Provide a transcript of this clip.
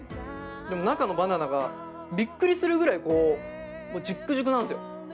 でも中のバナナがびっくりするぐらいこうジュックジュクなんですよ。